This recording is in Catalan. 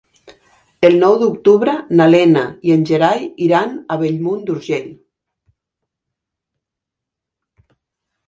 El nou d'octubre na Lena i en Gerai iran a Bellmunt d'Urgell.